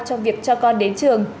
trong việc cho con đến trường